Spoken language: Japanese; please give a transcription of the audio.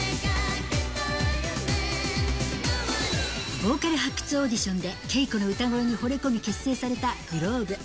ボーカル発掘オーディションでＫＥＩＫＯの歌声にほれ込み、結成されたｇｌｏｂｅ。